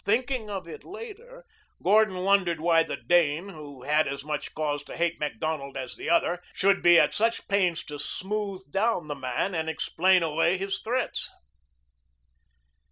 Thinking of it later, Gordon wondered why the Dane, who had as much cause to hate Macdonald as the other, should be at such pains to smooth down the man and explain away his threats.